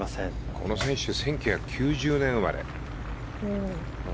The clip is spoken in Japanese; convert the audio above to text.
この選手１９９０年生まれ。